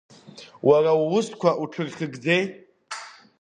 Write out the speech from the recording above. Уара уусқәа уҽырхьыгӡеи!